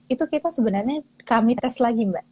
itu kita sebenarnya kami tes lagi mbak